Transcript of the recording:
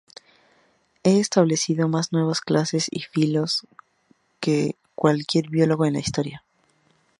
Ha establecido más nuevas clases y filos que cualquier biólogo en la historia.